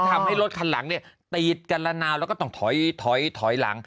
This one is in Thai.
ทำให้รถคันหลังเนี่ยตีดกันละนาวแล้วก็ต้องถอยหลัง